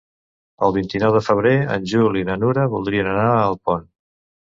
El vint-i-nou de febrer en Juli i na Nura voldrien anar a Alpont.